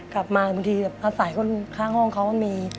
กลับมาบางทีอาศัยข้างห้องเขามี